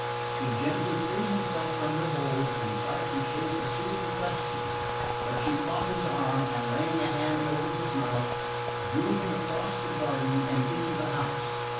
He gently freed himself from her hold and tried to shape a soothing question; but she caught his arm and, laying a hand over his mouth, drew him across the garden and into the house.